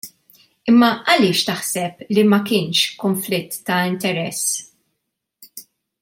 Imma għaliex taħseb li ma kienx konflitt ta' interess?